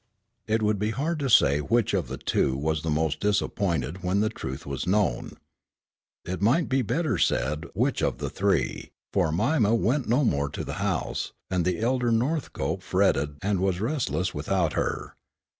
It would be hard to say which of the two was the most disappointed when the truth was known. It might better be said which of the three, for Mima went no more to the house, and the elder Northcope fretted and was restless without her.